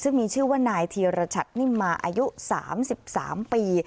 ซึ่งมีชื่อว่านายธีรชัตนิมมาอายุ๓๓ปี